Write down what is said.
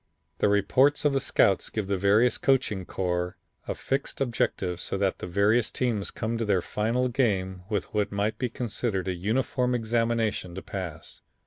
"The reports of the scouts give the various coaching corps a fixed objective so that the various teams come to their final game with what might be considered a uniform examination to pass.